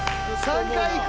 ３回いく。